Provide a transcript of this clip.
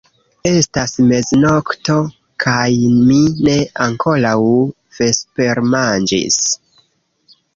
Estas meznokto, kaj mi ne ankoraŭ vespermanĝis.